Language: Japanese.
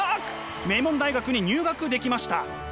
名門大学に入学できました。